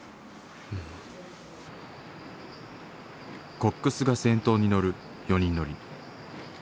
コックスが先頭に乗る４人乗り。